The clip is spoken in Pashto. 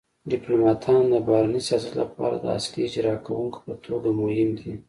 ډیپلوماتان د بهرني سیاست لپاره د اصلي اجرا کونکو په توګه مهم دي